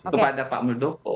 kepada pak muldoko